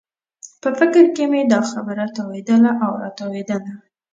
په فکر کې مې دا خبره تاوېدله او راتاوېدله.